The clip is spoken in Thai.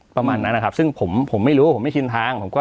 ประมาณนั้นนะครับซึ่งผมไม่รู้ว่าผมไม่ชินทาง